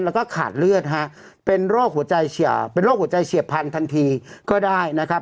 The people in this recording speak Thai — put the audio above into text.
แล้วก็ขาดเลือดฮะเป็นโรคหัวใจเฉียบพันธุ์ทันทีก็ได้นะครับ